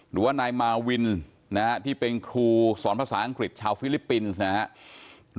หรือว่านายมาวินที่เป็นครูสอนภาษาอังกฤษชาวฟิลิปปินส์นะครับ